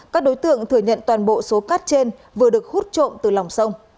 các đối tượng thừa nhận toàn bộ số cát trên vừa được hút trộm từ lòng sông